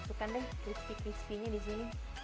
masukkan deh crispy crispy nya disini